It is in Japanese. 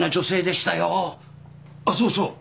あっそうそう。